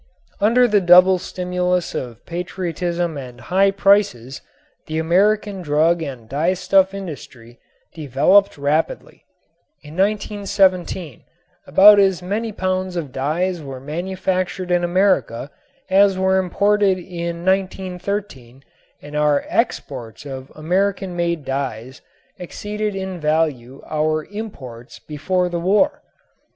Under the double stimulus of patriotism and high prices the American drug and dyestuff industry developed rapidly. In 1917 about as many pounds of dyes were manufactured in America as were imported in 1913 and our exports of American made dyes exceeded in value our imports before the war.